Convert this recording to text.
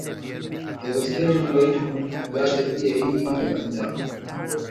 Da gaske Jummaitu zata iya yi da kanta?